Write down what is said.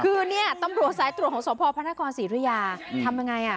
คือเนี่ยตำรวจสายตรวจของสพพระนครศรีธุยาทำยังไงอ่ะ